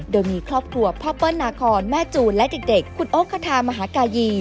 โดยมีครอบครัวพ่อเปิ้ลนาคอนแม่จูนและเด็กคุณโอคถามหากายี